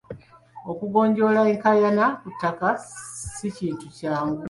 Okugonjoola enkaayana ku ttaka si kintu kyangu.